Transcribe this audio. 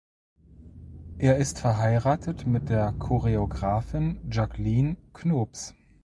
Er ist verheiratet mit der Choreografin Jacqueline Knoops.